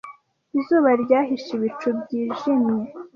Izuba ryahishe ibicu byijimye.